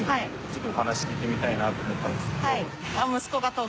ちょっとお話聞いてみたいなと思ったんですけど。